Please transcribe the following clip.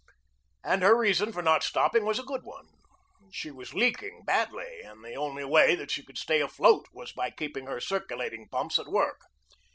And her reason for not stopping was a good one. She was leaking badly, and the only way that she could stay afloat was by keeping her circulating pumps at work.